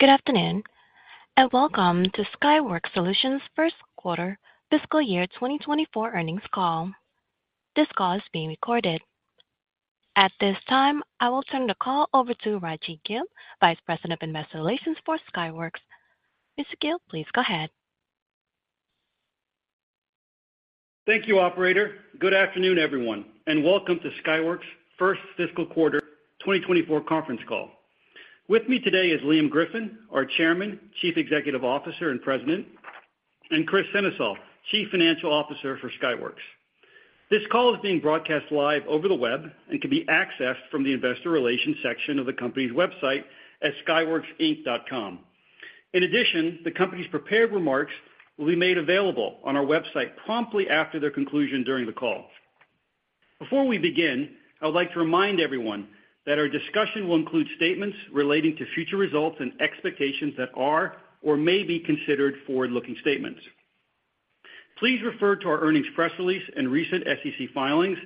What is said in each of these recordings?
Good afternoon, and welcome to Skyworks Solutions first quarter fiscal year 2024 earnings call. This call is being recorded. At this time, I will turn the call over to Raji Gill, Vice President of Investor Relations for Skyworks. Mr. Gill, please go ahead. Thank you, operator. Good afternoon, everyone, and welcome to Skyworks first fiscal quarter 2024 conference call. With me today is Liam Griffin, our Chairman, Chief Executive Officer, and President, and Kris Sennesael, Chief Financial Officer for Skyworks. This call is being broadcast live over the web and can be accessed from the investor relations section of the company's website at skyworksinc.com. In addition, the company's prepared remarks will be made available on our website promptly after their conclusion during the call. Before we begin, I would like to remind everyone that our discussion will include statements relating to future results and expectations that are or may be considered forward-looking statements. Please refer to our earnings press release and recent SEC filings,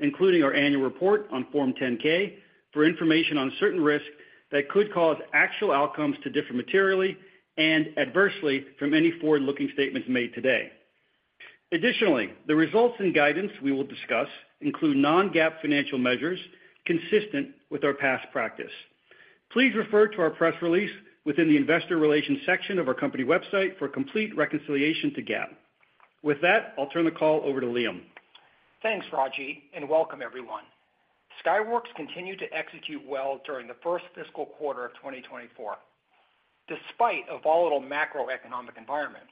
including our annual report on Form 10-K for information on certain risks that could cause actual outcomes to differ materially and adversely from any forward-looking statements made today. Additionally, the results and guidance we will discuss include non-GAAP financial measures consistent with our past practice. Please refer to our press release within the investor relations section of our company website for complete reconciliation to GAAP. With that, I'll turn the call over to Liam. Thanks, Raji, and welcome everyone. Skyworks continued to execute well during the first fiscal quarter of 2024, despite a volatile macroeconomic environment.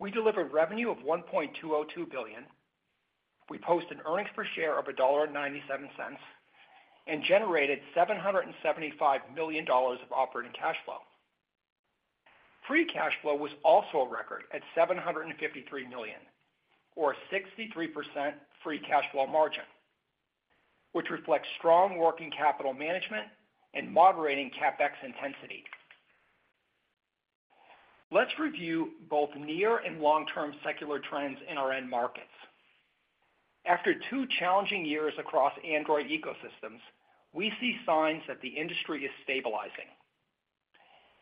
We delivered revenue of $1.202 billion. We posted earnings per share of $1.97 and generated $775 million of operating cash flow. Free cash flow was also a record at $753 million, or 63% free cash flow margin, which reflects strong working capital management and moderating CapEx intensity. Let's review both near and long-term secular trends in our end markets. After two challenging years across Android ecosystems, we see signs that the industry is stabilizing.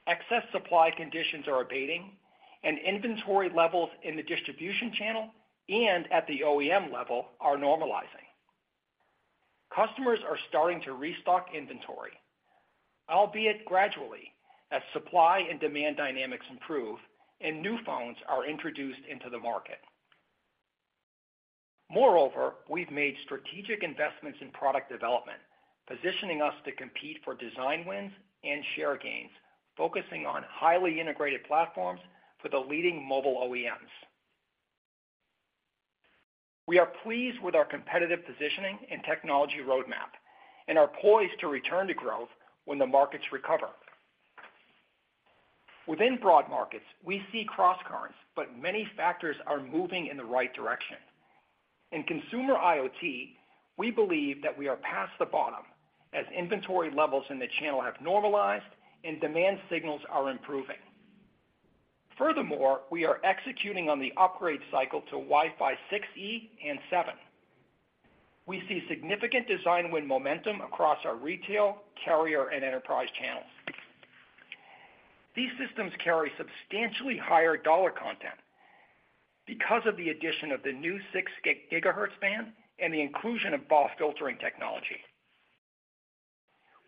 Excess supply conditions are abating, and inventory levels in the distribution channel and at the OEM level are normalizing. Customers are starting to restock inventory, albeit gradually, as supply and demand dynamics improve and new phones are introduced into the market. Moreover, we've made strategic investments in product development, positioning us to compete for design wins and share gains, focusing on highly integrated platforms for the leading mobile OEMs. We are pleased with our competitive positioning and technology roadmap and are poised to return to growth when the markets recover. Within broad markets, we see crosscurrents, but many factors are moving in the right direction. In consumer IoT, we believe that we are past the bottom as inventory levels in the channel have normalized and demand signals are improving. Furthermore, we are executing on the upgrade cycle to Wi-Fi 6E and 7. We see significant design win momentum across our retail, carrier, and enterprise channels. These systems carry substantially higher dollar content because of the addition of the new 6 GHz band and the inclusion of BOS filtering technology.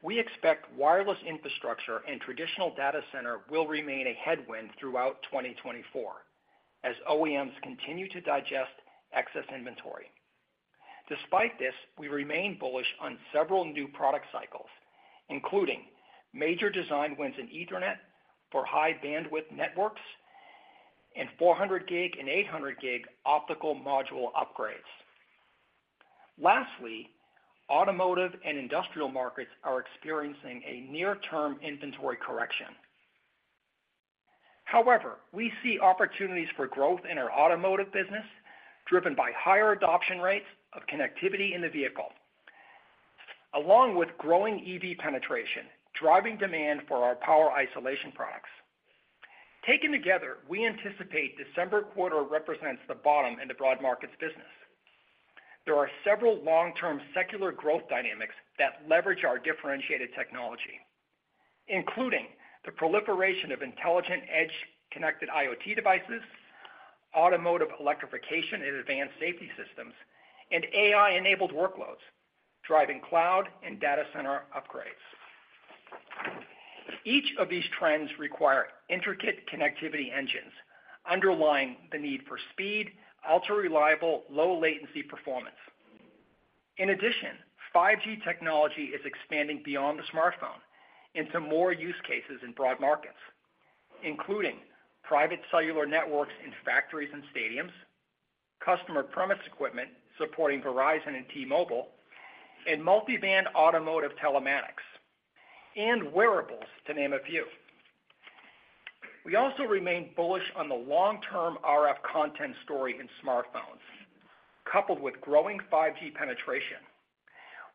We expect wireless infrastructure and traditional data center will remain a headwind throughout 2024 as OEMs continue to digest excess inventory. Despite this, we remain bullish on several new product cycles, including major design wins in Ethernet for high bandwidth networks and 400G and 800G optical module upgrades. Lastly, automotive and industrial markets are experiencing a near-term inventory correction. However, we see opportunities for growth in our automotive business, driven by higher adoption rates of connectivity in the vehicle, along with growing EV penetration, driving demand for our power isolation products. Taken together, we anticipate December quarter represents the bottom in the broad markets business. There are several long-term secular growth dynamics that leverage our differentiated technology, including the proliferation of intelligent edge-connected IoT devices, automotive electrification and advanced safety systems, and AI-enabled workloads, driving cloud and data center upgrades. Each of these trends require intricate connectivity engines, underlying the need for speed, ultra-reliable, low latency performance. In addition, 5G technology is expanding beyond the smartphone into more use cases in broad markets, including private cellular networks in factories and stadiums, customer premise equipment supporting Verizon and T-Mobile, and multiband automotive telematics, and wearables, to name a few. We also remain bullish on the long-term RF content story in smartphones. Coupled with growing 5G penetration,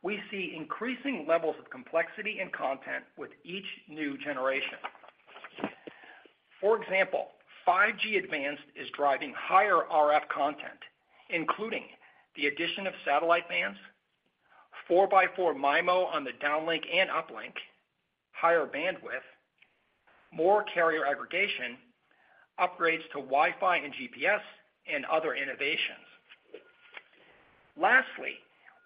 we see increasing levels of complexity and content with each new generation.... For example, 5G Advanced is driving higher RF content, including the addition of satellite bands, 4x4 MIMO on the downlink and uplink, higher bandwidth, more carrier aggregation, upgrades to Wi-Fi and GPS, and other innovations. Lastly,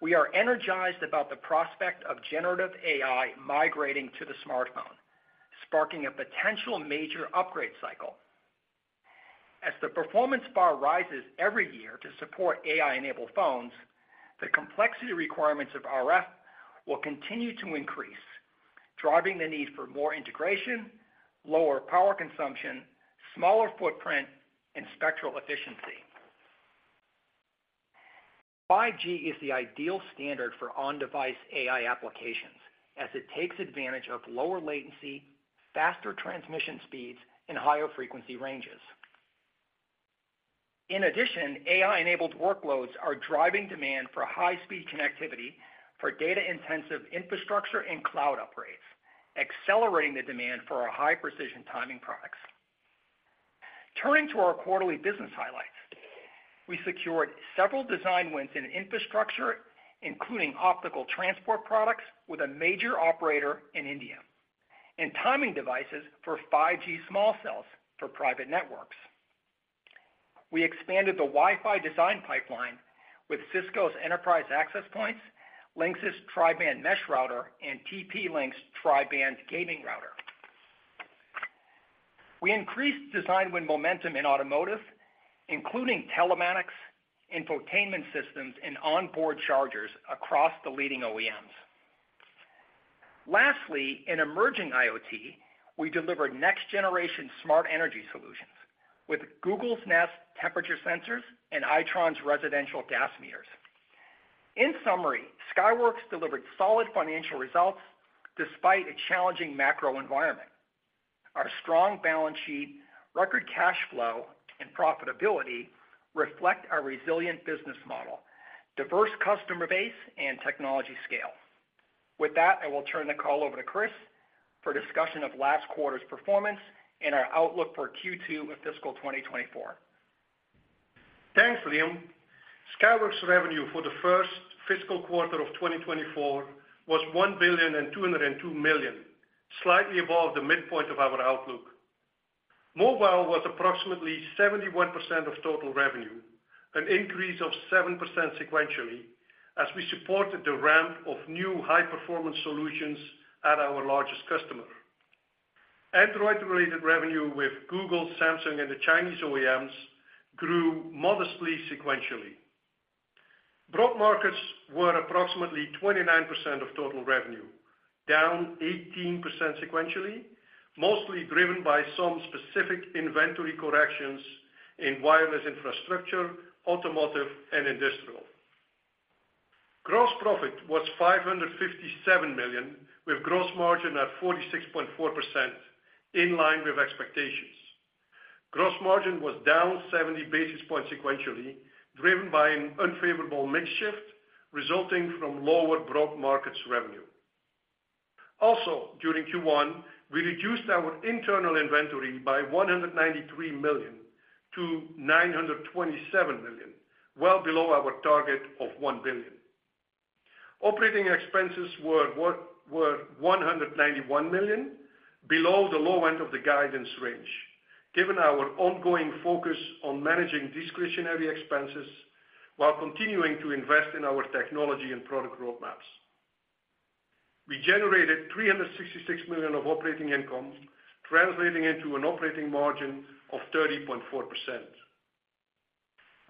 we are energized about the prospect of generative AI migrating to the smartphone, sparking a potential major upgrade cycle. As the performance bar rises every year to support AI-enabled phones, the complexity requirements of RF will continue to increase, driving the need for more integration, lower power consumption, smaller footprint, and spectral efficiency. 5G is the ideal standard for on-device AI applications, as it takes advantage of lower latency, faster transmission speeds, and higher frequency ranges. In addition, AI-enabled workloads are driving demand for high-speed connectivity for data-intensive infrastructure and cloud upgrades, accelerating the demand for our high-precision timing products. Turning to our quarterly business highlights, we secured several design wins in infrastructure, including optical transport products with a major operator in India, and timing devices for 5G small cells for private networks. We expanded the Wi-Fi design pipeline with Cisco's enterprise access points, Linksys tri-band mesh router, and TP-Link's tri-band gaming router. We increased design win momentum in automotive, including telematics, infotainment systems, and onboard chargers across the leading OEMs. Lastly, in emerging IoT, we delivered next-generation smart energy solutions with Google's Nest temperature sensors and Itron's residential gas meters. In summary, Skyworks delivered solid financial results despite a challenging macro environment. Our strong balance sheet, record cash flow, and profitability reflect our resilient business model, diverse customer base, and technology scale. With that, I will turn the call over to Kris for discussion of last quarter's performance and our outlook for Q2 of fiscal 2024. Thanks, Liam. Skyworks' revenue for the first fiscal quarter of 2024 was $1,202 million, slightly above the midpoint of our outlook. Mobile was approximately 71% of total revenue, an increase of 7% sequentially, as we supported the ramp of new high-performance solutions at our largest customer. Android-related revenue with Google, Samsung, and the Chinese OEMs grew modestly sequentially. Broad markets were approximately 29% of total revenue, down 18% sequentially, mostly driven by some specific inventory corrections in wireless infrastructure, automotive, and industrial. Gross profit was $557 million, with gross margin at 46.4%, in line with expectations. Gross margin was down 70 basis points sequentially, driven by an unfavorable mix shift resulting from lower broad markets revenue. Also, during Q1, we reduced our internal inventory by $193 million to $927 million, well below our target of $1 billion. Operating expenses were $191 million, below the low end of the guidance range, given our ongoing focus on managing discretionary expenses while continuing to invest in our technology and product roadmaps. We generated $366 million of operating income, translating into an operating margin of 30.4%.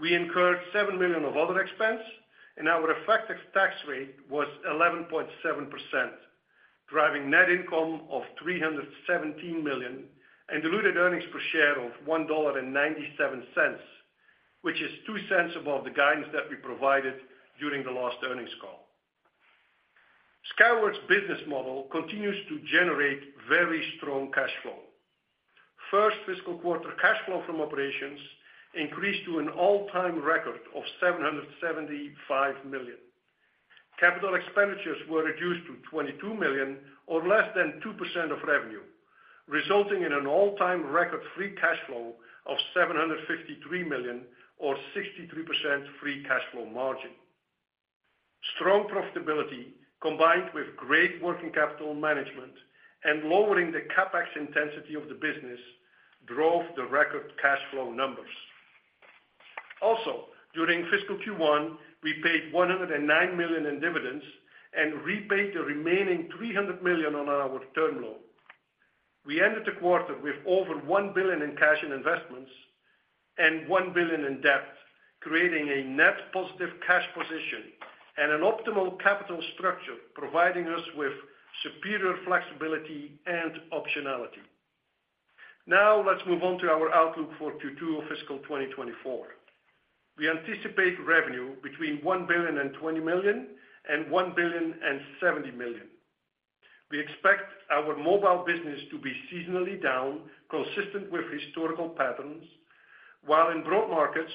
We incurred $7 million of other expense, and our effective tax rate was 11.7%, driving net income of $317 million and diluted earnings per share of $1.97, which is $0.02 above the guidance that we provided during the last earnings call. Skyworks' business model continues to generate very strong cash flow. First fiscal quarter cash flow from operations increased to an all-time record of $775 million. Capital expenditures were reduced to $22 million, or less than 2% of revenue, resulting in an all-time record free cash flow of $753 million or 63% free cash flow margin. Strong profitability, combined with great working capital management and lowering the CapEx intensity of the business, drove the record cash flow numbers. Also, during fiscal Q1, we paid $109 million in dividends and repaid the remaining $300 million on our term loan. We ended the quarter with over $1 billion in cash and investments and $1 billion in debt, creating a net positive cash position and an optimal capital structure, providing us with superior flexibility and optionality. Now, let's move on to our outlook for Q2 of fiscal 2024. We anticipate revenue between $1.02 billion and $1.07 billion. We expect our mobile business to be seasonally down, consistent with historical patterns. While in broad markets,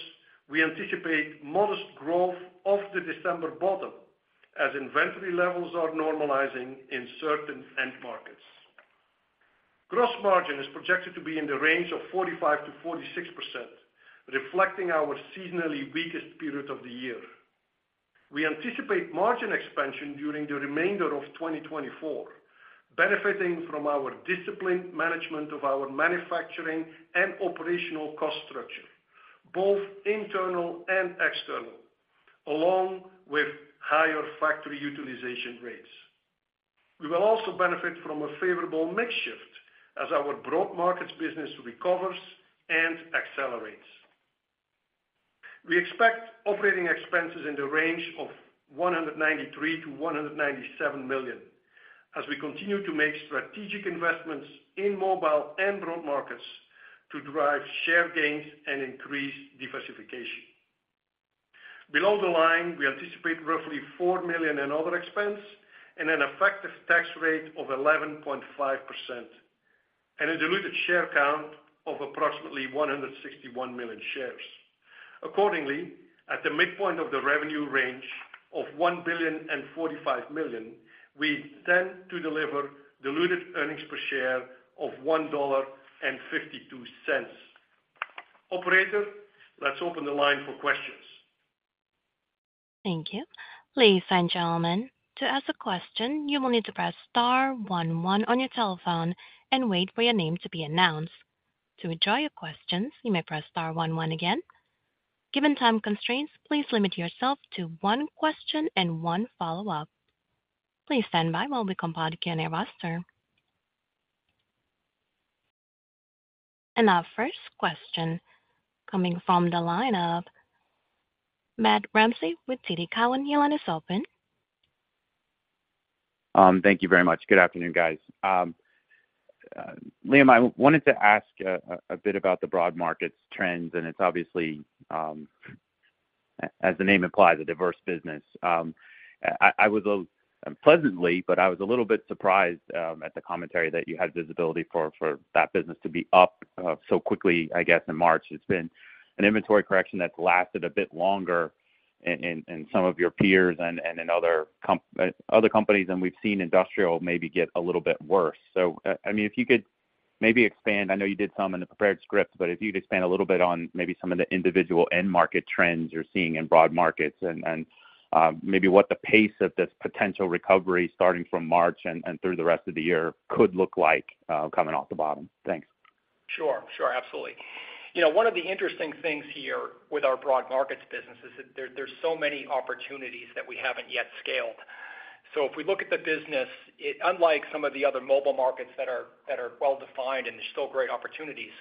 we anticipate modest growth off the December bottom as inventory levels are normalizing in certain end markets. Gross margin is projected to be in the range of 45%-46%, reflecting our seasonally weakest period of the year. We anticipate margin expansion during the remainder of 2024, benefiting from our disciplined management of our manufacturing and operational cost structure, both internal and external, along with higher factory utilization rates. We will also benefit from a favorable mix shift as our broad markets business recovers and accelerates. We expect operating expenses in the range of $193 million-$197 million as we continue to make strategic investments in mobile and broad markets to drive share gains and increase diversification. Below the line, we anticipate roughly $4 million in other expense and an effective tax rate of 11.5%, and a diluted share count of approximately 161 million shares. Accordingly, at the midpoint of the revenue range of $1.045 billion, we intend to deliver diluted earnings per share of $1.52. Operator, let's open the line for questions. Thank you. Ladies and gentlemen, to ask a question, you will need to press star one one on your telephone and wait for your name to be announced. To withdraw your questions, you may press star one one again. Given time constraints, please limit yourself to one question and one follow-up. Please stand by while we compile the Q&A roster. Our first question coming from the line of Matt Ramsey with TD Cowen. Your line is open. Thank you very much. Good afternoon, guys. Liam, I wanted to ask a bit about the broad markets trends, and it's obviously, as the name implies, a diverse business. I was pleasantly, but I was a little bit surprised at the commentary that you had visibility for that business to be up so quickly, I guess, in March. It's been an inventory correction that's lasted a bit longer in some of your peers and in other companies, and we've seen industrial maybe get a little bit worse. So, I mean, if you could maybe expand, I know you did some in the prepared script, but if you'd expand a little bit on maybe some of the individual end market trends you're seeing in broad markets and maybe what the pace of this potential recovery starting from March and through the rest of the year could look like, coming off the bottom. Thanks. Sure. Sure. Absolutely. You know, one of the interesting things here with our broad markets business is that there, there's so many opportunities that we haven't yet scaled. So if we look at the business, unlike some of the other mobile markets that are well-defined and there's still great opportunities,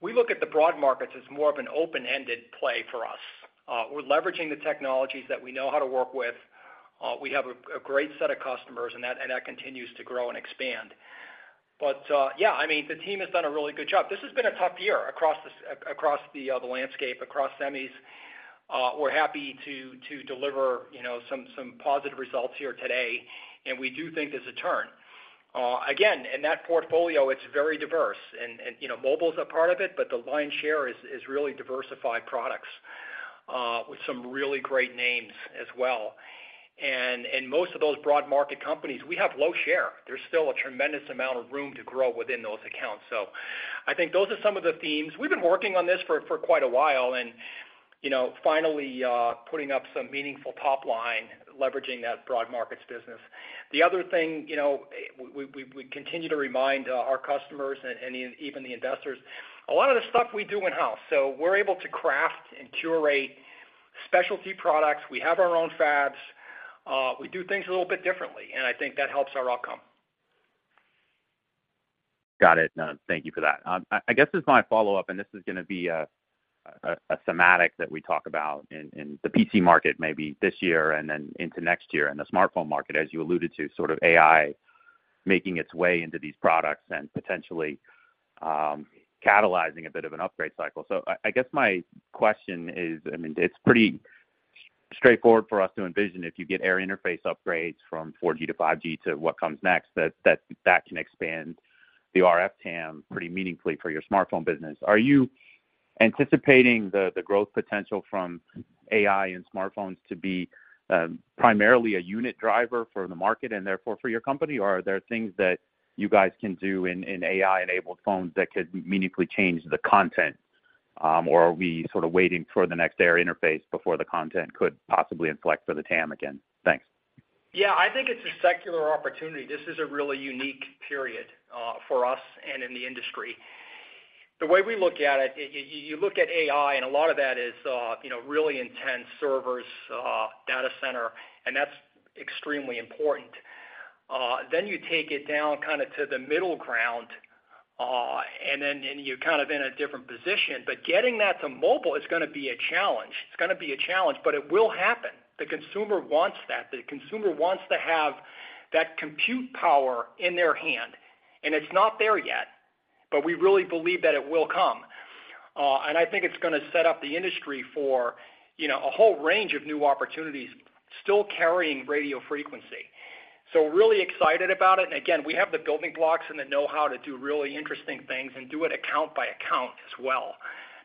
we look at the broad markets as more of an open-ended play for us. We're leveraging the technologies that we know how to work with. We have a great set of customers, and that continues to grow and expand. But, yeah, I mean, the team has done a really good job. This has been a tough year across the landscape, across semis. We're happy to deliver, you know, some positive results here today, and we do think there's a turn. Again, in that portfolio, it's very diverse and, you know, mobile is a part of it, but the lion's share is really diversified products with some really great names as well. And most of those broad market companies, we have low share. There's still a tremendous amount of room to grow within those accounts. So I think those are some of the themes. We've been working on this for quite a while and, you know, finally putting up some meaningful top line, leveraging that broad markets business. The other thing, you know, we continue to remind our customers and even the investors, a lot of the stuff we do in-house, so we're able to craft and curate specialty products. We have our own fabs. We do things a little bit differently, and I think that helps our outcome. Got it. Thank you for that. I guess as my follow-up, and this is gonna be a thematic that we talk about in the PC market, maybe this year and then into next year, in the smartphone market, as you alluded to, sort of AI making its way into these products and potentially catalyzing a bit of an upgrade cycle. So I guess my question is, I mean, it's pretty straightforward for us to envision if you get air interface upgrades from 4G to 5G to what comes next, that can expand the RF TAM pretty meaningfully for your smartphone business. Are you anticipating the growth potential from AI and smartphones to be primarily a unit driver for the market and therefore for your company? Or are there things that you guys can do in AI-enabled phones that could meaningfully change the content, or are we sort of waiting for the next air interface before the content could possibly inflect for the TAM again? Thanks. Yeah, I think it's a secular opportunity. This is a really unique period for us and in the industry. The way we look at it, you look at AI, and a lot of that is, you know, really intense servers, data center, and that's extremely important. Then you take it down kinda to the middle ground, and then you're kind of in a different position. But getting that to mobile is gonna be a challenge. It's gonna be a challenge, but it will happen. The consumer wants that. The consumer wants to have that compute power in their hand, and it's not there yet, but we really believe that it will come. And I think it's gonna set up the industry for, you know, a whole range of new opportunities, still carrying radio frequency... So really excited about it. Again, we have the building blocks and the know-how to do really interesting things and do it account by account as well.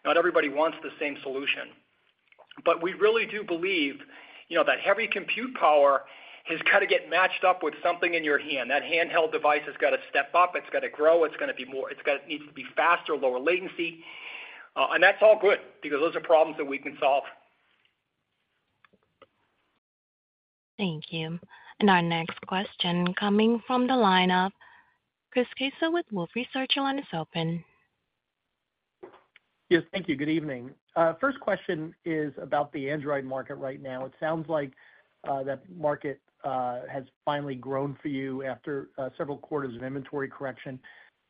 Not everybody wants the same solution. We really do believe, you know, that heavy compute power has got to get matched up with something in your hand. That handheld device has got to step up, it's got to grow, it's gonna be more, it's got, it needs to be faster, lower latency, and that's all good because those are problems that we can solve. Thank you. Our next question coming from the line of Chris Caso with Wolfe Research, your line is open. Yes, thank you. Good evening. First question is about the Android market right now. It sounds like that market has finally grown for you after several quarters of inventory correction.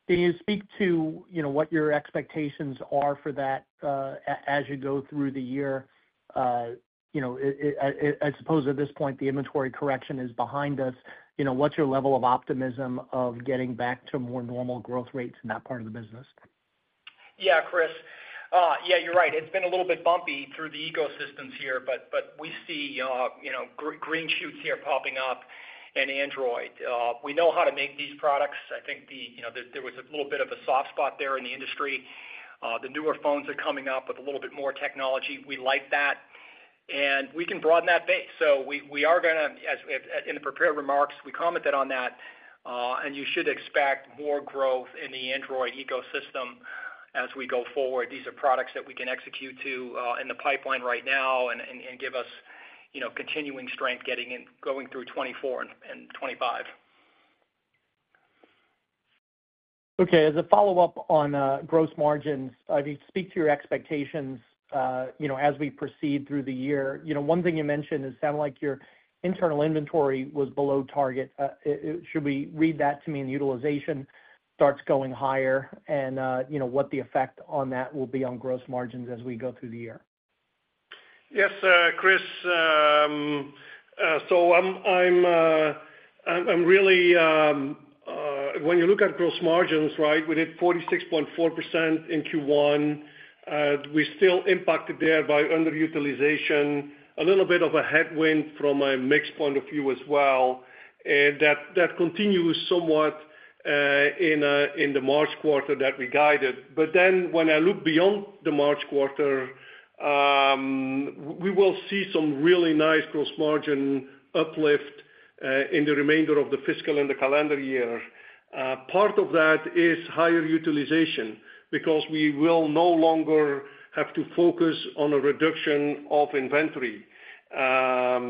Can you speak to, you know, what your expectations are for that, as you go through the year? You know, I suppose at this point, the inventory correction is behind us. You know, what's your level of optimism of getting back to more normal growth rates in that part of the business? Yeah, Chris. Yeah, you're right. It's been a little bit bumpy through the ecosystems here, but we see, you know, green shoots here popping up in Android. We know how to make these products. I think the, you know, there was a little bit of a soft spot there in the industry. The newer phones are coming up with a little bit more technology. We like that, and we can broaden that base. So we are gonna, as in the prepared remarks, we commented on that, and you should expect more growth in the Android ecosystem as we go forward. These are products that we can execute to, in the pipeline right now and give us, you know, continuing strength getting in, going through 2024 and 2025. Okay, as a follow-up on gross margins, I'd speak to your expectations, you know, as we proceed through the year. You know, one thing you mentioned, it sounded like your internal inventory was below target. Should we read that to mean the utilization starts going higher and, you know, what the effect on that will be on gross margins as we go through the year? Yes, Chris. So I'm really when you look at gross margins, right, we did 46.4% in Q1. We're still impacted there by underutilization, a little bit of a headwind from a mix point of view as well, and that continues somewhat in the March quarter that we guided. But then when I look beyond the March quarter, we will see some really nice gross margin uplift in the remainder of the fiscal and the calendar year. Part of that is higher utilization, because we will no longer have to focus on a reduction of inventory. That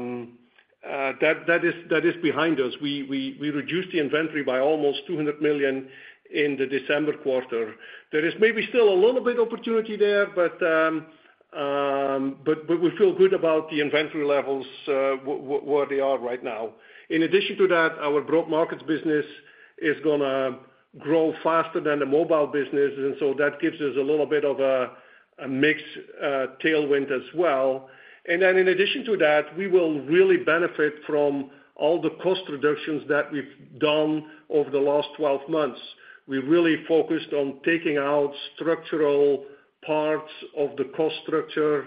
is behind us. We reduced the inventory by almost $200 million in the December quarter. There is maybe still a little bit opportunity there, but we feel good about the inventory levels, where they are right now. In addition to that, our broad markets business is gonna grow faster than the mobile business, and so that gives us a little bit of a mix tailwind as well. And then in addition to that, we will really benefit from all the cost reductions that we've done over the last 12 months. We really focused on taking out structural parts of the cost structure.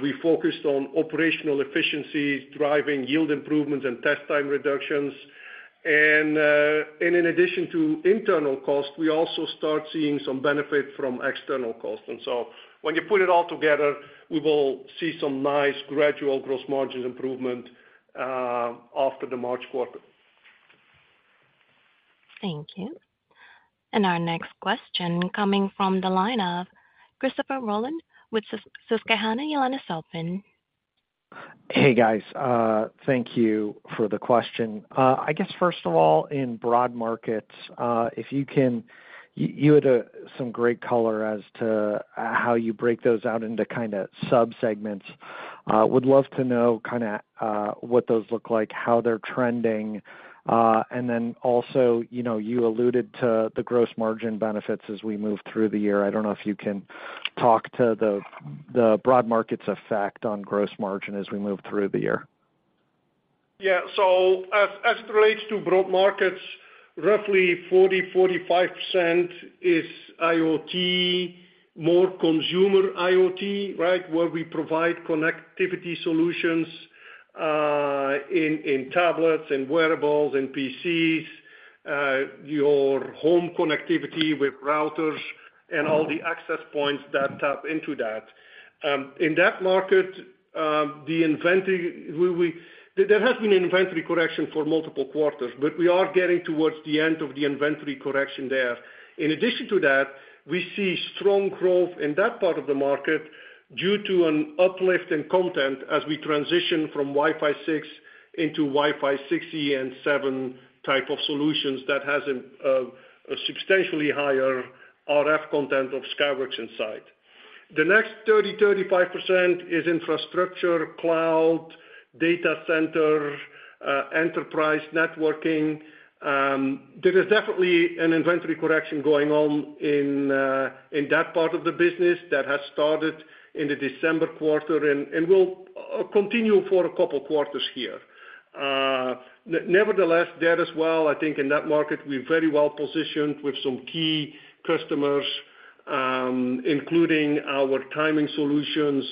We focused on operational efficiency, driving yield improvements and test time reductions. And in addition to internal costs, we also start seeing some benefit from external costs. And so when you put it all together, we will see some nice gradual gross margin improvement after the March quarter. Thank you. And our next question coming from the line of Christopher Rolland with Susquehanna. Your line is open. Hey, guys, thank you for the question. I guess, first of all, in broad markets, if you can, you had some great color as to how you break those out into kind of subsegments. Would love to know kind of what those look like, how they're trending. And then also, you know, you alluded to the gross margin benefits as we move through the year. I don't know if you can talk to the broad market's effect on gross margin as we move through the year. Yeah. So as it relates to broad markets, roughly 40%-45% is IoT, more consumer IoT, right? Where we provide connectivity solutions in tablets, in wearables, in PCs, your home connectivity with routers and all the access points that tap into that. In that market, the inventory there has been an inventory correction for multiple quarters, but we are getting towards the end of the inventory correction there. In addition to that, we see strong growth in that part of the market due to an uplift in content as we transition from Wi-Fi 6 into Wi-Fi 6E and 7 type of solutions that has a substantially higher RF content of Skyworks inside. The next 30-35% is infrastructure, cloud, data center, enterprise networking. There is definitely an inventory correction going on in that part of the business that has started in the December quarter and will continue for a couple quarters here. Nevertheless, there as well, I think in that market, we're very well positioned with some key customers, including our timing solutions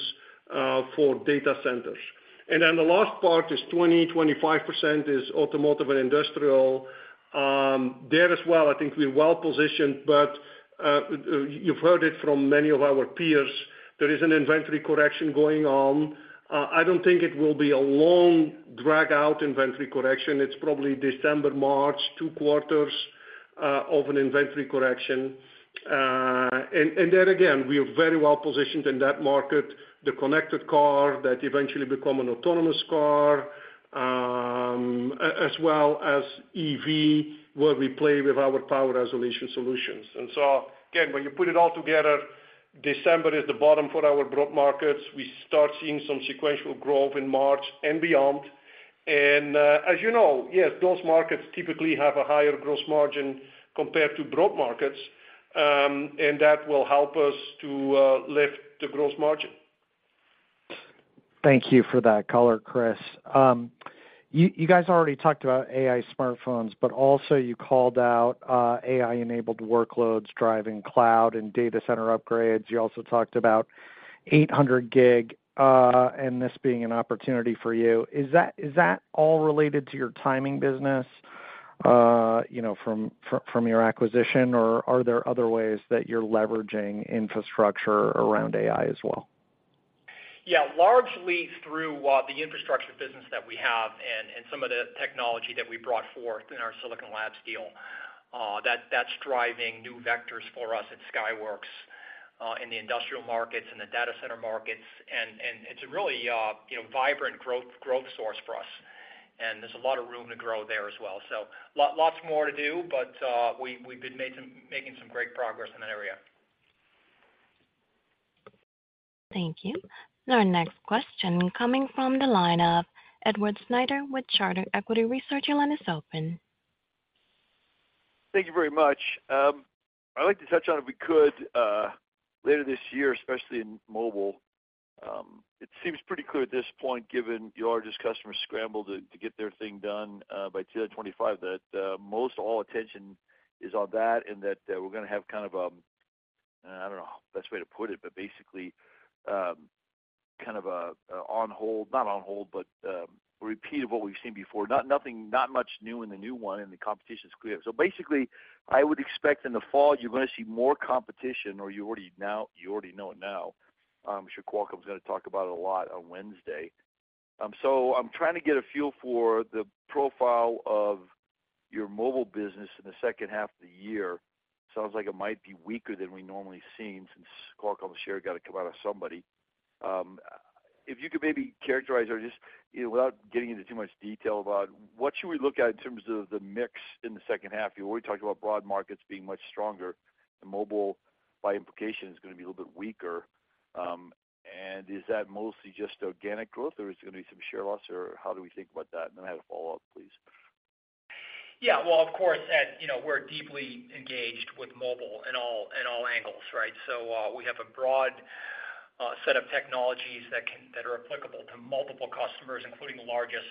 for data centers. And then the last part is 25% automotive and industrial. There as well, I think we're well positioned, but you've heard it from many of our peers, there is an inventory correction going on. I don't think it will be a long, dragged-out inventory correction. It's probably December, March, two quarters of an inventory correction. And then again, we are very well positioned in that market, the connected car that eventually become an autonomous car, as well as EV, where we play with our power isolation solutions. And so again, when you put it all together, December is the bottom for our broad markets. We start seeing some sequential growth in March and beyond. And, as you know, yes, those markets typically have a higher gross margin compared to broad markets, and that will help us to lift the gross margin. Thank you for that color, Kris. You guys already talked about AI smartphones, but also you called out AI-enabled workloads, driving cloud and data center upgrades. You also talked about 800G and this being an opportunity for you. Is that all related to your timing business, you know, from your acquisition, or are there other ways that you're leveraging infrastructure around AI as well? Yeah, largely through the infrastructure business that we have and some of the technology that we brought forth in our Silicon Labs deal, that's driving new vectors for us at Skyworks in the industrial markets and the data center markets, and it's a really, you know, vibrant growth source for us. And there's a lot of room to grow there as well. So lots more to do, but we've been making some great progress in that area. Thank you. Our next question coming from the line of Edward Snyder with Charter Equity Research, your line is open. Thank you very much. I'd like to touch on, if we could, later this year, especially in mobile. It seems pretty clear at this point, given your largest customer scramble to get their thing done by 2025, that most all attention is on that and that we're gonna have kind of, I don't know the best way to put it, but basically kind of a on hold, not on hold, but a repeat of what we've seen before. Not nothing- not much new in the new one, and the competition is clear. So basically, I would expect in the fall, you're gonna see more competition or you already now- you already know it now. I'm sure Qualcomm is gonna talk about it a lot on Wednesday. So I'm trying to get a feel for the profile of your mobile business in the second half of the year. Sounds like it might be weaker than we normally seen, since Qualcomm share got to come out of somebody. If you could maybe characterize or just, you know, without getting into too much detail about what should we look at in terms of the mix in the second half? You already talked about broad markets being much stronger. The mobile, by implication, is gonna be a little bit weaker. And is that mostly just organic growth, or is it gonna be some share loss, or how do we think about that? And then I have a follow-up, please. Yeah, well, of course, Ed, you know, we're deeply engaged with mobile in all, in all angles, right? So, we have a broad set of technologies that are applicable to multiple customers, including the largest.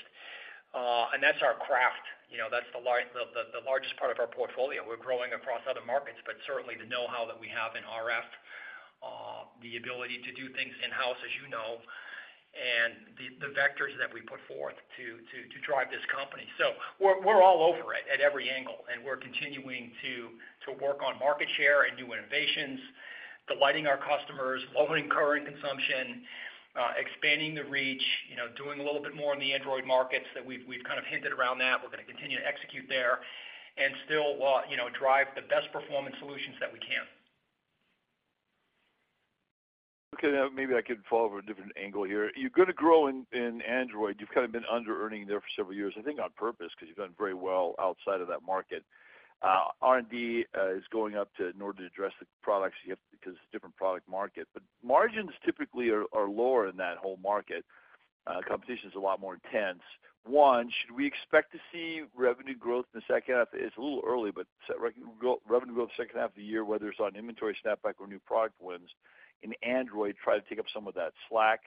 And that's our craft, you know, that's the largest part of our portfolio. We're growing across other markets, but certainly the know-how that we have in RF, the ability to do things in-house, as you know, and the vectors that we put forth to drive this company. So we're all over it at every angle, and we're continuing to work on market share and new innovations, delighting our customers, lowering current consumption, expanding the reach, you know, doing a little bit more in the Android markets that we've kind of hinted around that. We're gonna continue to execute there and still, you know, drive the best performing solutions that we can. Okay, maybe I could follow up a different angle here. You're gonna grow in Android. You've kind of been under-earning there for several years, I think, on purpose, because you've done very well outside of that market. R&D is going up in order to address the products you have, because it's a different product market, but margins typically are lower in that whole market. Competition is a lot more intense. S hould we expect to see revenue growth in the second half? It's a little early, but revenue growth second half of the year, whether it's on inventory snapback or new product wins in Android, try to take up some of that slack.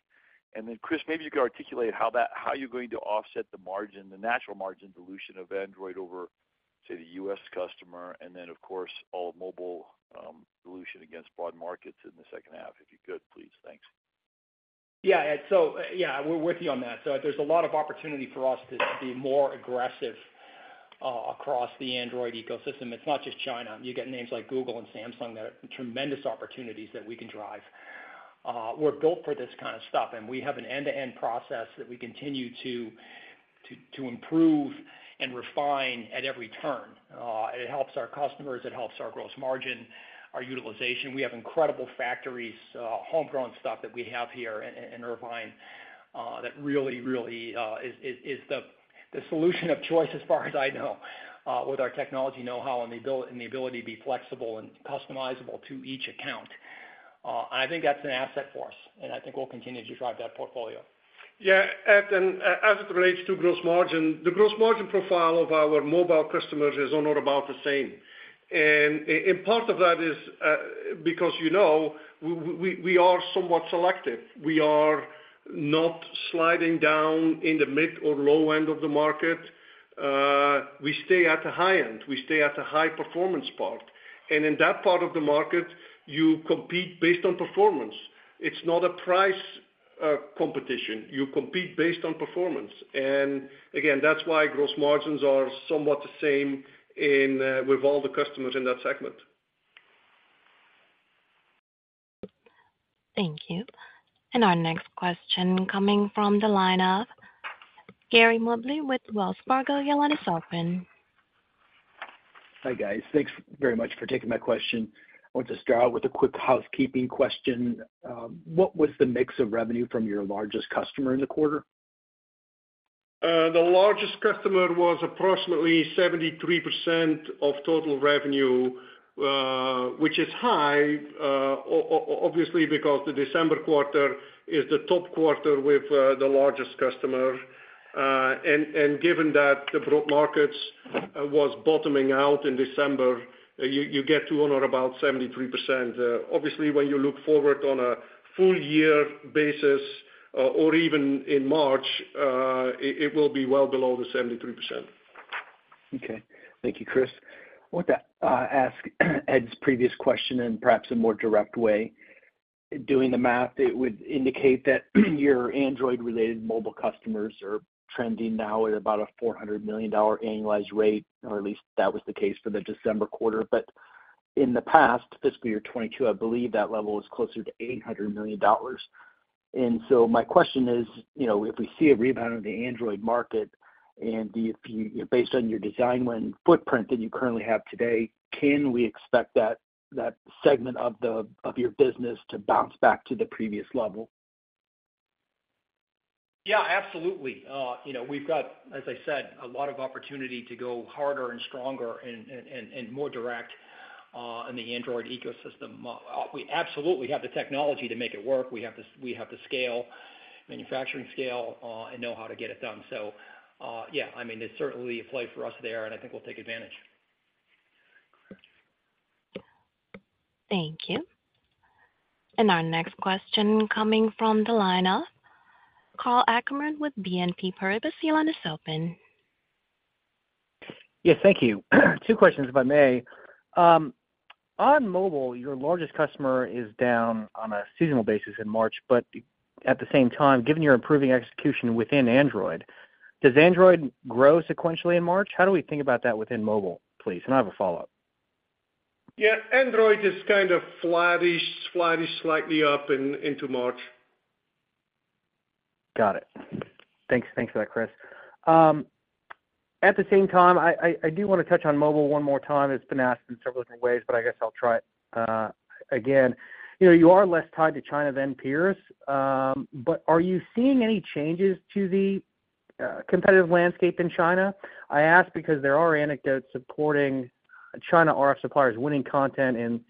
And then, Kris, maybe you can articulate how that--how you're going to offset the margin, the natural margin dilution of Android over, say, the U.S. customer, and then, of course, all mobile dilution against broad markets in the second half, if you could, please? Thanks. Yeah, Ed, so yeah, we're with you on that. So there's a lot of opportunity for us to be more aggressive across the Android ecosystem. It's not just China. You get names like Google and Samsung that are tremendous opportunities that we can drive. We're built for this kind of stuff, and we have an end-to-end process that we continue to improve and refine at every turn. It helps our customers, it helps our gross margin, our utilization. We have incredible factories, homegrown stuff that we have here in Irvine, that really is the solution of choice as far as I know, with our technology know-how and the ability to be flexible and customizable to each account.I think that's an asset for us, and I think we'll continue to drive that portfolio. Yeah, Ed, and as it relates to gross margin, the gross margin profile of our mobile customers is all about the same. And part of that is, because, you know, we are somewhat selective. We are not sliding down in the mid or low end of the market. We stay at the high end, we stay at the high performance part. And in that part of the market, you compete based on performance. It's not a price competition. You compete based on performance. And again, that's why gross margins are somewhat the same in with all the customers in that segment. Thank you. Our next question coming from the line of Gary Mobley with Wells Fargo. Your line is open. Hi, guys. Thanks very much for taking my question. I want to start out with a quick housekeeping question. What was the mix of revenue from your largest customer in the quarter? The largest customer was approximately 73% of total revenue, which is high, obviously, because the December quarter is the top quarter with the largest customer. And given that the broad markets was bottoming out in December, you get to or about 73%. Obviously, when you look forward on a full year basis, or even in March, it will be well below the 73%. Okay. Thank you, Kris. I want to ask Ed's previous question in perhaps a more direct way. Doing the math, it would indicate that your Android-related mobile customers are trending now at about a $400 million annualized rate, or at least that was the case for the December quarter. But in the past, fiscal year 2022, I believe that level was closer to $800 million. And so my question is, you know, if we see a rebound in the Android market and the, based on your design win footprint that you currently have today, can we expect that, that segment of the, of your business to bounce back to the previous level? Yeah, absolutely. You know, we've got, as I said, a lot of opportunity to go harder and stronger and more direct in the Android ecosystem. We absolutely have the technology to make it work. We have the scale, manufacturing scale, and know how to get it done. So, yeah, I mean, there's certainly a play for us there, and I think we'll take advantage. Thank you. Our next question coming from the line of Karl Ackerman with BNP Paribas. Your line is open. Yes, thank you. Two questions, if I may. On mobile, your largest customer is down on a seasonal basis in March, but at the same time, given your improving execution within Android, does Android grow sequentially in March? How do we think about that within mobile, please? And I have a follow-up. Yeah, Android is kind of flattish, flattish, slightly up in, into March. Got it. Thanks. Thanks for that, Kris. At the same time, I do want to touch on mobile one more time. It's been asked in several different ways, but I guess I'll try it again. You know, you are less tied to China than peers, but are you seeing any changes to the competitive landscape in China? I ask because there are anecdotes supporting China RF suppliers winning content in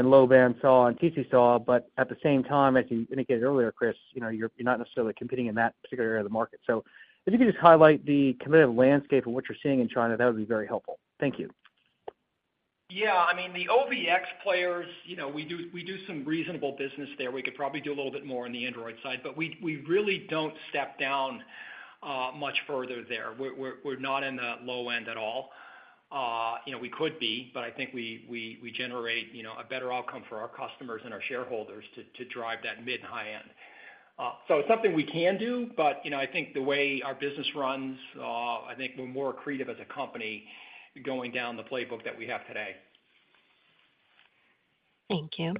low band SAW and TC SAW, but at the same time, as you indicated earlier, Kris, you know, you're not necessarily competing in that particular area of the market. So if you could just highlight the competitive landscape and what you're seeing in China, that would be very helpful. Thank you. Yeah, I mean, the OVX players, you know, we do some reasonable business there. We could probably do a little bit more on the Android side, but we really don't step down much further there. We're not in the low end at all. You know, we could be, but I think we generate, you know, a better outcome for our customers and our shareholders to drive that mid and high end. So it's something we can do, but, you know, I think the way our business runs, I think we're more accretive as a company going down the playbook that we have today. Thank you.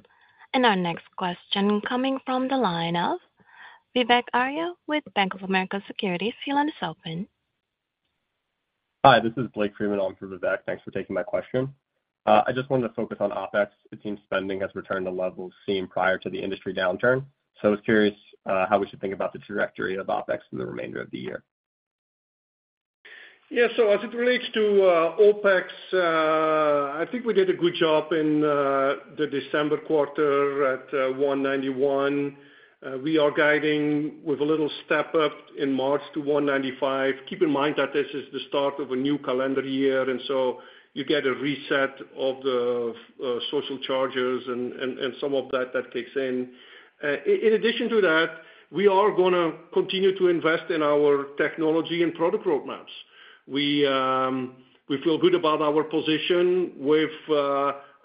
Our next question coming from the line of Vivek Arya with Bank of America Securities. Your line is open. Hi, this is Blake Friedman on for Vivek. Thanks for taking my question. I just wanted to focus on OpEx. It seems spending has returned to levels seen prior to the industry downturn. So I was curious, how we should think about the trajectory of OpEx in the remainder of the year? Yeah, so as it relates to OpEx, I think we did a good job in the December quarter at $191 million. We are guiding with a little step up in March to $195 million. Keep in mind that this is the start of a new calendar year, and so you get a reset of the social charges and some of that that kicks in. In addition to that, we are gonna continue to invest in our technology and product roadmaps. We feel good about our position with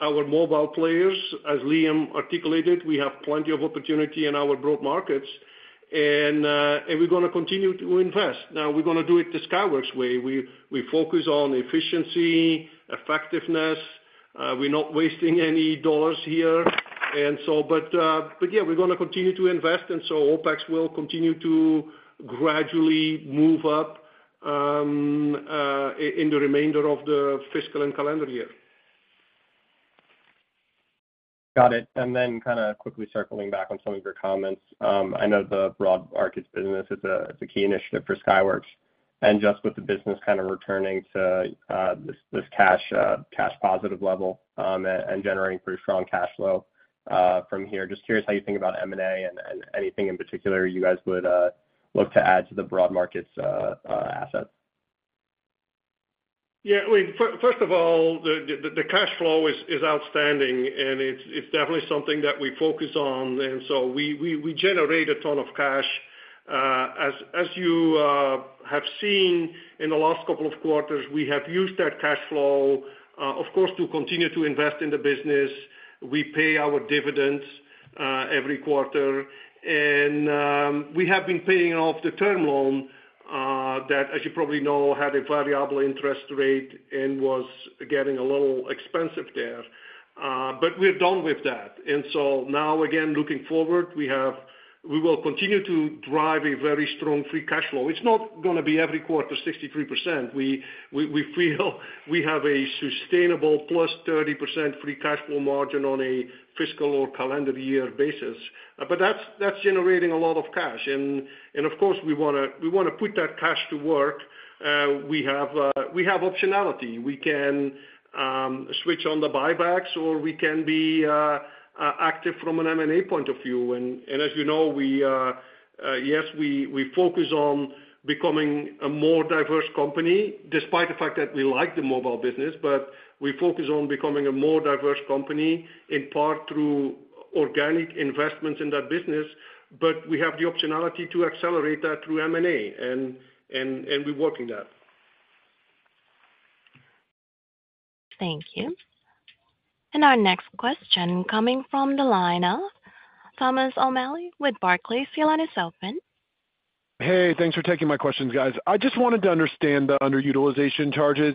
our mobile players. As Liam articulated, we have plenty of opportunity in our broad markets, and we're gonna continue to invest. Now, we're gonna do it the Skyworks way. We focus on efficiency, effectiveness, we're not wasting any dollars here. But yeah, we're gonna continue to invest, and so OpEx will continue to gradually move up in the remainder of the fiscal and calendar year. Got it. And then kind of quickly circling back on some of your comments. I know the broad markets business is a key initiative for Skyworks. And just with the business kind of returning to this cash positive level, and generating pretty strong cash flow from here, just curious how you think about M&A and anything in particular you guys would look to add to the broad markets assets? Yeah, well, first of all, the cash flow is outstanding, and it's definitely something that we focus on, and so we generate a ton of cash. As you have seen in the last couple of quarters, we have used that cash flow, of course, to continue to invest in the business. We pay our dividends every quarter, and we have been paying off the term loan that, as you probably know, had a variable interest rate and was getting a little expensive there. But we're done with that. And so now, again, looking forward, we will continue to drive a very strong free cash flow. It's not gonna be every quarter 63%. We feel we have a sustainable plus 30% free cash flow margin on a fiscal or calendar year basis. But that's generating a lot of cash. And of course, we wanna put that cash to work. We have optionality. We can switch on the buybacks, or we can be active from an M&A point of view. And as you know, we focus on becoming a more diverse company, despite the fact that we like the mobile business, but we focus on becoming a more diverse company, in part through organic investments in that business, but we have the optionality to accelerate that through M&A, and we're working that. Thank you. Our next question coming from the line of Thomas O'Malley with Barclays. Your line is open. Hey, thanks for taking my questions, guys. I just wanted to understand the underutilization charges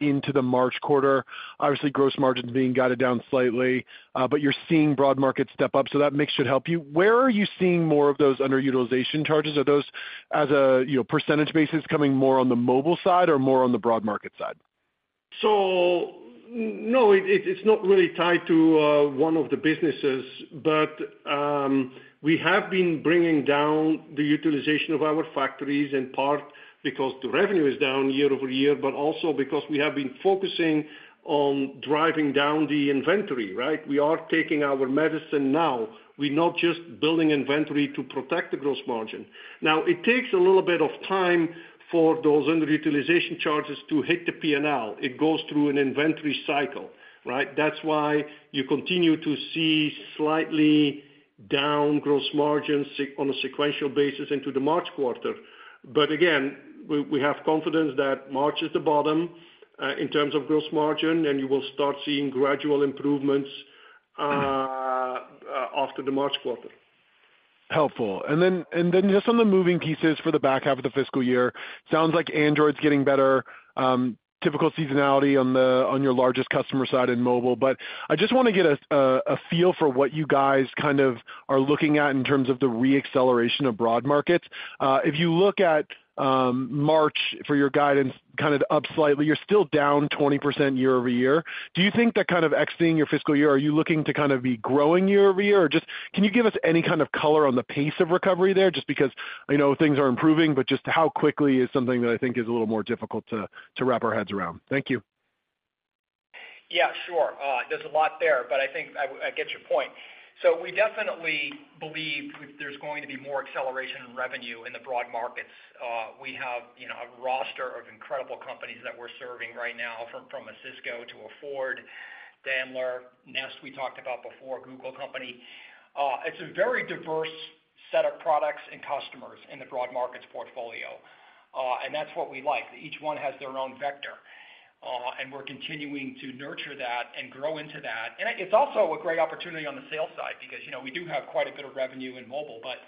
into the March quarter. Obviously, gross margins being guided down slightly, but you're seeing broad markets step up, so that mix should help you. Where are you seeing more of those underutilization charges? Are those as a, you know, percentage basis, coming more on the mobile side or more on the broad market side? So no, it's not really tied to one of the businesses. But we have been bringing down the utilization of our factories, in part because the revenue is down year-over-year, but also because we have been focusing on driving down the inventory, right? We are taking our medicine now. We're not just building inventory to protect the gross margin. Now, it takes a little bit of time for those underutilization charges to hit the P&L. It goes through an inventory cycle, right? That's why you continue to see slightly down gross margins sequentially on a sequential basis into the March quarter. But again, we have confidence that March is the bottom in terms of gross margin, and you will start seeing gradual improvements after the March quarter. Helpful. Then just on the moving pieces for the back half of the fiscal year, sounds like Android's getting better, typical seasonality on your largest customer side in mobile. But I just wanna get a, a feel for what you guys kind of are looking at in terms of the re-acceleration of broad markets. If you look at, March for your guidance, kind of up slightly, you're still down 20% year-over-year. Do you think that kind of exiting your fiscal year, are you looking to kind of be growing year-over-year? Or just, can you give us any kind of color on the pace of recovery there? Just because I know things are improving, but just how quickly is something that I think is a little more difficult to wrap our heads around. Thank you. Yeah, sure. There's a lot there, but I think I get your point. So we definitely believe there's going to be more acceleration in revenue in the broad markets. We have, you know, a roster of incredible companies that we're serving right now, from a Cisco to a Ford, Daimler, Nest, we talked about before, Google company. It's a very diverse set of products and customers in the broad markets portfolio, and that's what we like. Each one has their own vector, and we're continuing to nurture that and grow into that.It's also a great opportunity on the sales side because, you know, we do have quite a bit of revenue in mobile, but,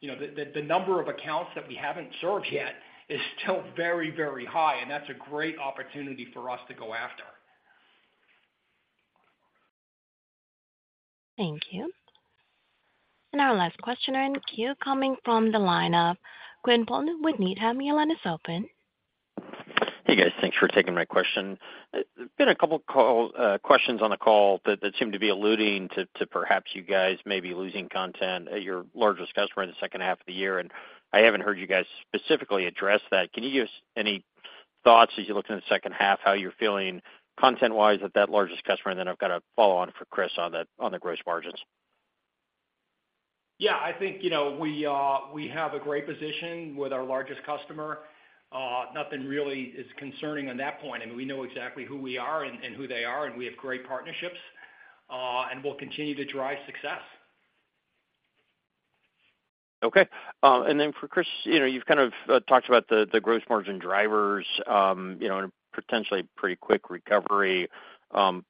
you know, the number of accounts that we haven't served yet is still very, very high, and that's a great opportunity for us to go after. Thank you. And our last questioner in queue coming from the line of Quinn Bolton with Needham. Your line is open. Hey, guys. Thanks for taking my question. There's been a couple questions on the call that, that seem to be alluding to, to perhaps you guys may be losing content at your largest customer in the second half of the year, and I haven't heard you guys specifically address that. Can you give us any thoughts as you look in the second half, how you're feeling content-wise at that largest customer? And then I've got a follow-on for Kris on the, on the gross margins. Yeah, I think, you know, we have a great position with our largest customer. Nothing really is concerning on that point, and we know exactly who we are and who they are, and we have great partnerships, and we'll continue to drive success. Okay. And then for Kris, you know, you've kind of talked about the gross margin drivers, you know, and potentially pretty quick recovery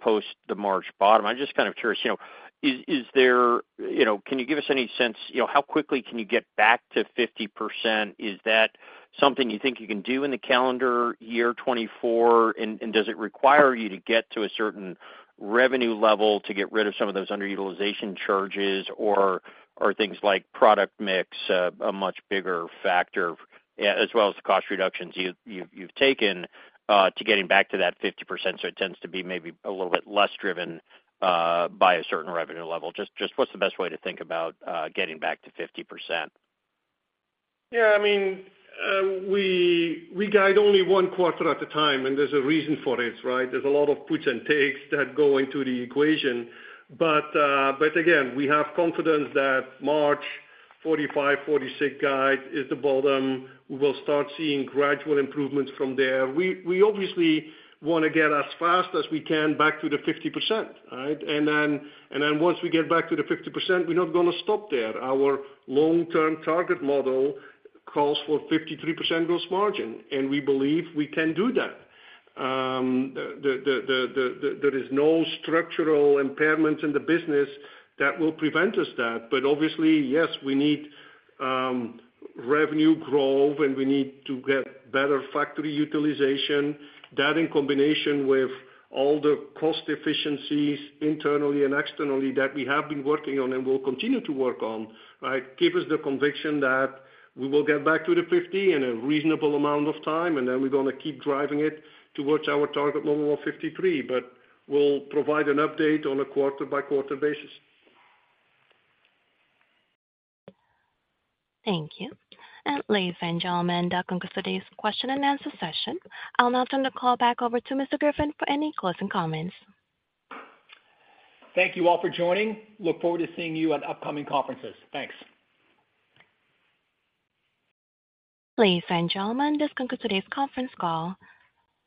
post the March bottom. I'm just kind of curious, you know. Can you give us any sense, you know, how quickly can you get back to 50%? Is that something you think you can do in the calendar year 2024? And does it require you to get to a certain revenue level to get rid of some of those underutilization charges, or are things like product mix a much bigger factor, as well as the cost reductions you've taken to getting back to that 50%, so it tends to be maybe a little bit less driven by a certain revenue level? Just, just what's the best way to think about getting back to 50%? Yeah, I mean, we, we guide only one quarter at a time, and there's a reason for it, right? There's a lot of puts and takes that go into the equation. But, but again, we have confidence that March 45-46 guide is the bottom. We will start seeing gradual improvements from there. We, we obviously wanna get as fast as we can back to the 50%, right? And then, and then once we get back to the 50%, we're not gonna stop there. Our long-term target model calls for 53% gross margin, and we believe we can do that. There is no structural impairment in the business that will prevent us that. But obviously, yes, we need revenue growth, and we need to get better factory utilization. That, in combination with all the cost efficiencies, internally and externally, that we have been working on and will continue to work on, right, give us the conviction that we will get back to the 50 in a reasonable amount of time, and then we're gonna keep driving it towards our target model of 53. But we'll provide an update on a quarter-by-quarter basis. Thank you. Ladies and gentlemen, that concludes today's question and answer session. I'll now turn the call back over to Mr. Griffin for any closing comments. Thank you all for joining. Look forward to seeing you at upcoming conferences. Thanks. Ladies and gentlemen, this concludes today's conference call.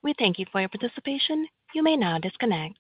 We thank you for your participation. You may now disconnect.